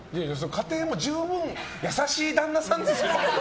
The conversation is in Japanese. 過程も十分優しい旦那さんですよ。